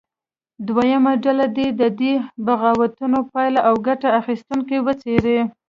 دویمه ډله دې د دې بغاوتونو پایلې او ګټه اخیستونکي وڅېړي.